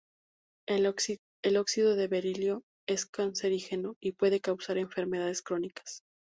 El óxido de berilio es cancerígeno y puede causar enfermedades crónicas.